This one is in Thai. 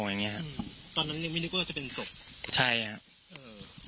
อย่างเงี้ฮะตอนนั้นยังไม่นึกว่าจะเป็นศพใช่ฮะเออ